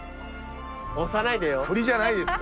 押さないでよ。